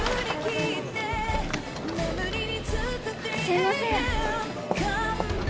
すいません。